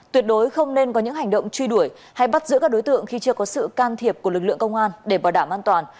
tuyệt đối không nên có những hành động truy đuổi hay bắt giữ các đối tượng khi chưa có sự can thiệp của lực lượng công an để bảo đảm an toàn